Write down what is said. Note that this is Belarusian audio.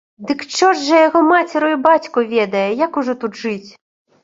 Дык чорт жа яго мацеру і бацьку ведае, як ужо тут жыць!